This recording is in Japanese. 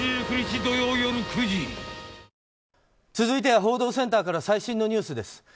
続いては報道センターから最新のニュースです。